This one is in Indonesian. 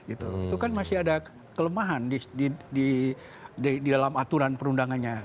itu kan masih ada kelemahan di dalam aturan perundangannya